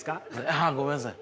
ああごめんなさい。